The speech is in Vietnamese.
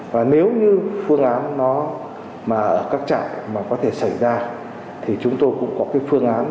và nếu như phương án nó mà ở các trại mà có thể xảy ra thì chúng tôi cũng có cái phương án